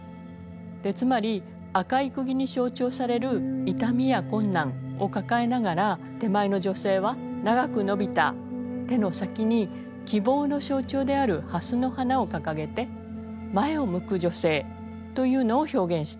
つまり赤いくぎに象徴される痛みや困難を抱えながら手前の女性は長く伸びた手の先に希望の象徴である蓮の花を掲げて前を向く女性というのを表現しているんです。